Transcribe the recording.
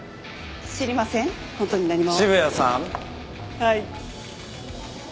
はい。